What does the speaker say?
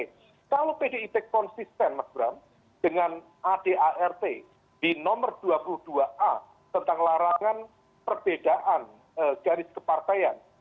kalau pdip konsisten mas bram dengan adart di nomor dua puluh dua a tentang larangan perbedaan garis kepartaian